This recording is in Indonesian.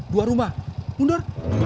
dua rumah mundur